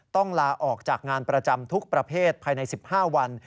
ต้องลาออกจากงานประจำทุกประเภทภายใน๑๕วัน